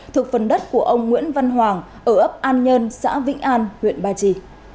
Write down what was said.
thuộc phần đất của ông nguyễn văn hoàng ở ấp an nhân xã vĩnh an huyện ba chi